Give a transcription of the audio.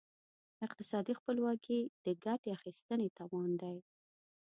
اقتصادي خپلواکي د ګټې اخیستنې توان دی.